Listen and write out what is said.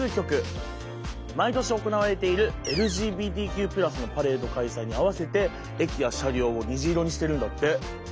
毎年行われているＬＧＢＴＱ＋のパレード開催に合わせて駅や車両を虹色にしてるんだって。